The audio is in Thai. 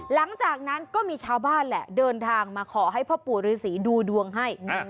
หลังจากนั้นก็มีชาวบ้านแหละเดินทางมาขอให้พ่อปู่ฤษีดูดวงให้